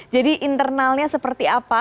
jadi internalnya seperti apa